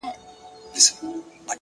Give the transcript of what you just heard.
خپه وې چي وړې ، وړې ،وړې د فريادي وې،